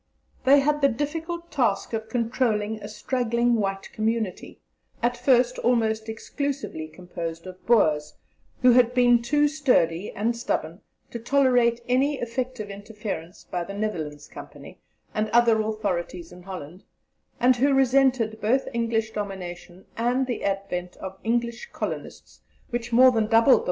"They had the difficult task of controlling a straggling white community, at first almost exclusively composed of Boers, who had been too sturdy and stubborn to tolerate any effective interference by the Netherlands Company and other authorities in Holland, and who resented both English domination and the advent of English colonists which more than doubled the white population in less than two decades."